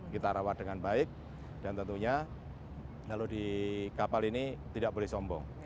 kita rawat dengan baik dan tentunya kalau di kapal ini tidak boleh sombong